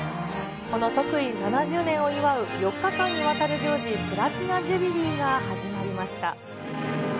この即位７０年を祝う４日間にわたる行事、プラチナ・ジュビリーが始まりました。